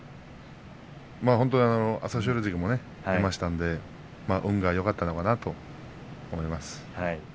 本当に朝青龍関もいましたので運がよかったんだと思います。